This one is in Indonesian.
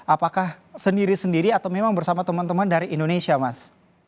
apakah sendiri sendiri atau memang bersama teman teman dari indonesia mas